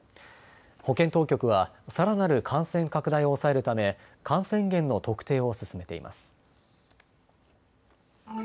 保健当局はさらなる感染拡大を抑えるため感染源の特定を進めています。